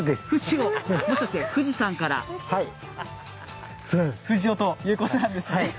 もしかして富士山から富士男ということなんですね。